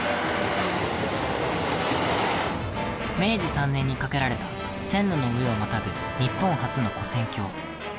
明治３年に架けられた線路の上をまたぐ日本初の、こ線橋。